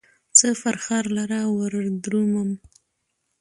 څه فرخار لره وردرومم